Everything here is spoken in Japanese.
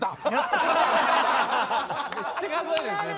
めっちゃ数えるんですね